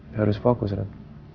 saya harus fokus ren